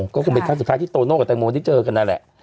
ก็คงเป็นครั้งสุดท้ายที่โตโน่กับแตงโมได้เจอกันนั่นแหละ